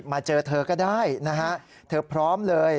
มาเจอเธอก็ได้นะฮะเธอพร้อมเลย